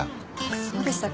そうでしたか。